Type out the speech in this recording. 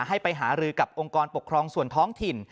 ให้ไปหารือกับองค์กรปกครองส่วนท้องถิ่น